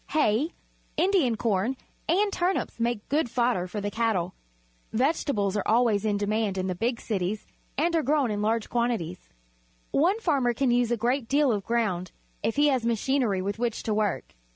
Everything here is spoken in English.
Hay, Indian corn, and turnips make good fodder for the cattle. Vege tables are always in demand in the big cities, and are grown in large quantities. One farmer can use a great deal of ground if he has machinery with which to work.